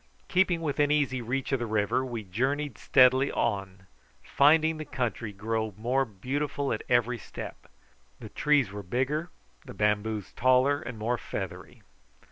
Keeping within easy reach of the river we journeyed steadily on, finding the country grow more beautiful at every step. The trees were bigger, the bamboos taller and more feathery.